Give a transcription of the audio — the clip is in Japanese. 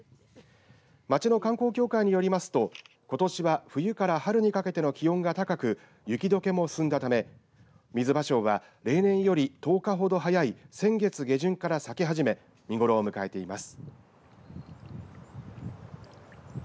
町の観光協会によりますとことしは冬から春にかけて気温が高く雪どけも進んだためみずばしょうは例年より１０日ほど早い先月下旬から咲き始め見頃を迎えています。